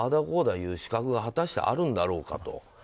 こうだ言う資格が果たしてあるんだろうかと。